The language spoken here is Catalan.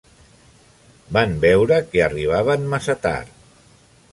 Van veure que arribaven massa tard.